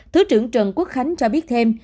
thứ trưởng trần quốc khánh cho biết thêm